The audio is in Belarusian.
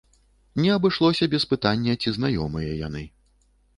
Не абышлося без пытання, ці знаёмыя яны.